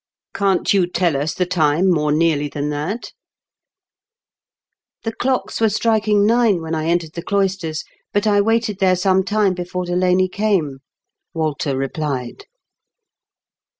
" Can^t you tell us the time more nearly than that ?" "The clocks were striking nine when I entered the cloisters, but I waited there some time before Delaney came," Walter replied.